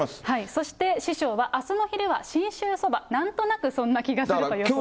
そして師匠は、あすの昼は信州そば、なんとなくそんな気がすると予想しています。